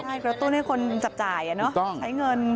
ใช่กระตุ้นให้คนจับจ่ายใช้เงิน